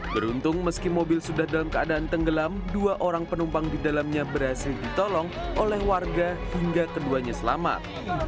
beruntung meski mobil sudah dalam keadaan tenggelam dua orang penumpang di dalamnya berhasil ditolong oleh warga hingga keduanya selamat